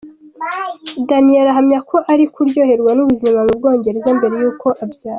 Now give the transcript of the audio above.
Daniella ahamya ko ari kuryoherwa n'ubuzima mu Bwongereza mbere y'uko abyara.